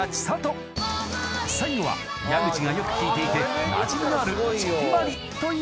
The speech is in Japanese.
［最後は矢口がよく聴いていてなじみのある］